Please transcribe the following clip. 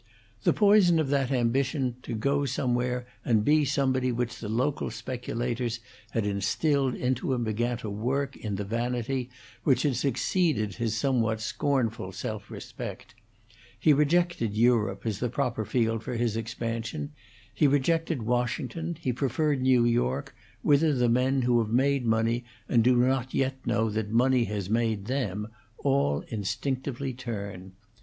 The poison of that ambition to go somewhere and be somebody which the local speculators had instilled into him began to work in the vanity which had succeeded his somewhat scornful self respect; he rejected Europe as the proper field for his expansion; he rejected Washington; he preferred New York, whither the men who have made money and do not yet know that money has made them, all instinctively turn.